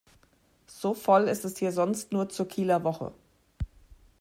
So voll ist es hier sonst nur zur Kieler Woche.